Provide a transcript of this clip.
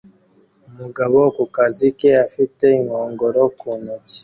Umugabo ku kazi ke afite inkongoro ku ntoki